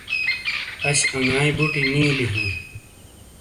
اش انگائی بٹی نیلی ہیں۔